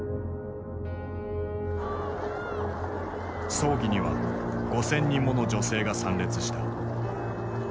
葬儀には５，０００人もの女性が参列した。